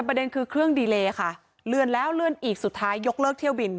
ประเด็นคือเครื่องดีเลค่ะเลื่อนแล้วเลื่อนอีกสุดท้ายยกเลิกเที่ยวบิน